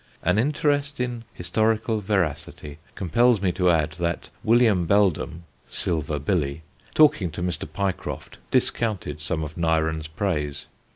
An interest in historical veracity compels me to add that William Beldham Silver Billy talking to Mr. Pycroft, discounted some of Nyren's praise.